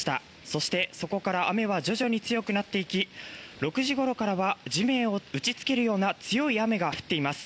そして、そこから雨は徐々に強くなっていき６時ごろからは地面を打ちつけるような強い雨が降っています。